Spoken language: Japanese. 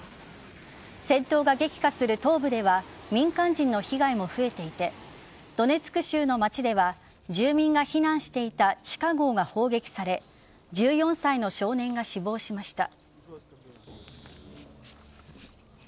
戦闘が激化する東部では民間人の被害も増えていてドネツク州の町では住民が避難していた地下壕が砲撃され１４歳の少年が死亡しました。